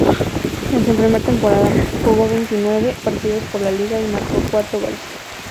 En su primera temporada, jugó veintinueve partidos por la liga y marcó cuatro goles.